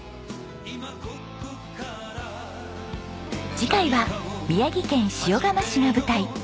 次回は宮城県塩竈市が舞台。